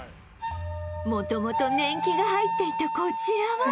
元々年季が入っていたこちらは